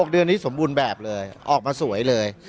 เดือนนี้สมบูรณ์แบบเลยออกมาสวยเลย